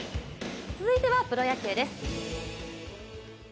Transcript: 続いてはプロ野球です。